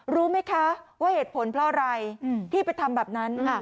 รู้ไหมคะว่าเหตุผลเพราะอะไรที่ไปทำแบบนั้น